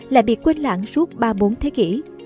lại bị quên lãng suốt ba bốn thế kỷ